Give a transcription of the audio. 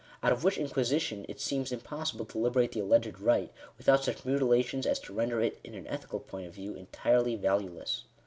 Out of which inquisition it seems impossible to liberate the alleged right, without such mutilations as to render it, in an ethical point of view, entirely valueless.